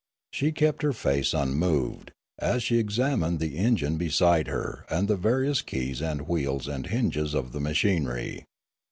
She kept her face unmoved, as she examined the engine beside her and the various keys and wheels and hinges of the machinery.